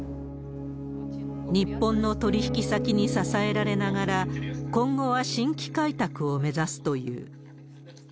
日本の取り引き先に支えられながら、今後は新規開拓を目指すという。